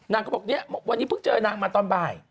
นางก็บอกวันนี้เพิ่งเจอนางมาตอนบ่าย